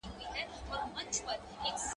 • د مور نس بوخچه ده.